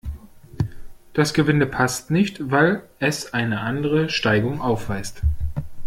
Das Gewinde passt nicht, weil es eine andere Steigung aufweist.